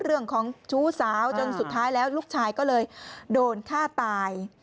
เรื่องของชู้สาวจนสุดท้ายแล้วลูกชายก็เลยโดนฆ่าตาย